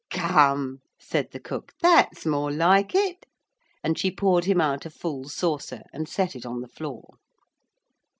'Come,' said the cook, 'that's more like it,' and she poured him out a full saucer and set it on the floor.